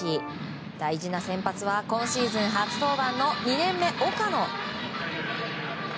大事な先発は今シーズン初登板の２年目、岡野。